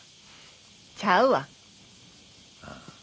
ちゃうわ。